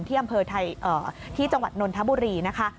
ที่อำเภอที่จังหวัดนทบุรีนะคะ